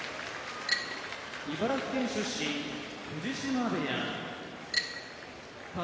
茨城県出身藤島部屋宝